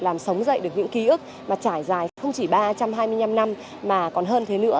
làm sống dậy được những ký ức mà trải dài không chỉ ba trăm hai mươi năm năm mà còn hơn thế nữa